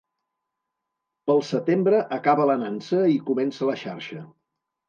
Pel setembre acaba la nansa i comença la xarxa.